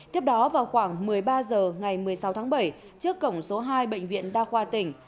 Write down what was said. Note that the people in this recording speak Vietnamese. tiếp đó vào khoảng một mươi ba h ngày một mươi sáu tháng bảy trước cổng số hai bệnh viện đa khoa tỉnh